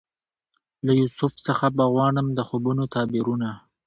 له یوسف څخه به غواړم د خوبونو تعبیرونه